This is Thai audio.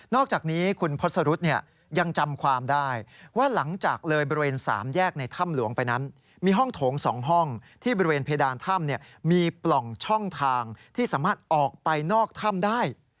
อกจากนี้คุณพศรุษยังจำความได้ว่าหลังจากเลยบริเวณ๓แยกในถ้ำหลวงไปนั้นมีห้องโถง๒ห้องที่บริเวณเพดานถ้ำมีปล่องช่องทางที่สามารถออกไปนอกถ้ำได้